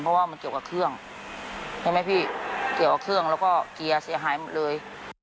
เพราะว่ามันเกี่ยวกับเครื่องใช่ไหมพี่เกี่ยวกับเครื่องแล้วก็เกียร์เสียหายหมดเลย